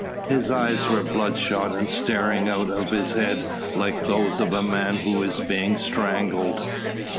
His eyes were bloodshot and staring out of his head like those of a man who is being strangled.